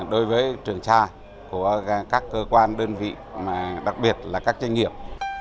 đối với trường sa của các cơ quan đơn vị đặc biệt là các doanh nghiệp